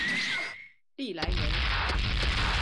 利莱梅。